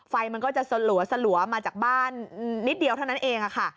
มันก็จะสลัวมาจากบ้านนิดเดียวเท่านั้นเองค่ะ